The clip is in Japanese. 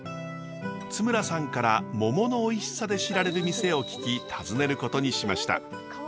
津村さんから桃のおいしさで知られる店を聞き訪ねることにしました。